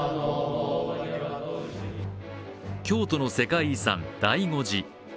京都の世界遺産、醍醐寺。